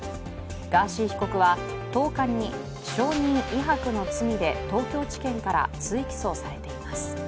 ガーシー被告は１０日に証人威迫の罪で東京地検から追起訴されています。